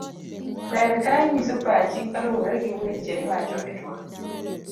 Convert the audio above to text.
ber ka inyiso pachi kaluwore gi weche miwacho e twak